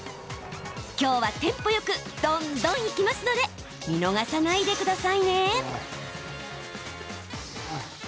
きょうは、テンポよくどんどんいきますので見逃さないでくださいね。